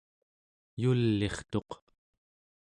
yul'irtuq